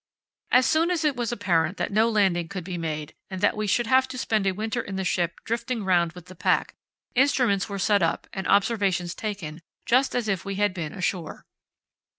As soon as it was apparent that no landing could be made, and that we should have to spend a winter in the ship drifting round with the pack, instruments were set up and observations taken just as if we had been ashore.